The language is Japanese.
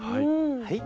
はい。